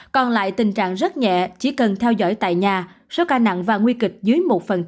còn lại tình trạng rất nhẹ chỉ cần theo dõi tại nhà số ca nặng và nguy kịch dưới một